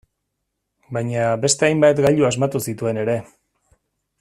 Baina, beste hainbat gailu asmatu zituen ere.